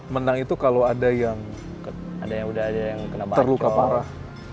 menang itu kalau ada yang terluka parah